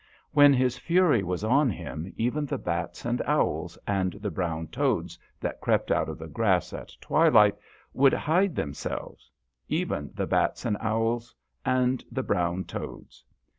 When his fury was on him even the bats and owls, and the brown toads that crept out of the grass at twilight would hide them selves even the bats and owls and the brown toads.